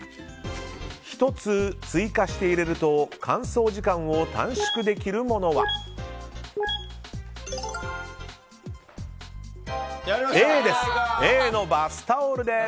１つ追加して入れると乾燥時間を短縮してくれるものはＡのバスタオルです。